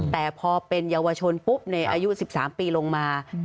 แต่พอเป็นเยาวชนปุ๊บในอายุ๑๓ปีลงมา